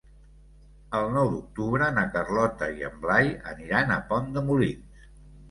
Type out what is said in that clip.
El nou d'octubre na Carlota i en Blai aniran a Pont de Molins.